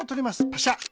パシャ。